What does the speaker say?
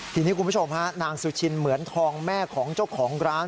ทีนี้คุณผู้ชมฮะนางสุชินเหมือนทองแม่ของเจ้าของร้าน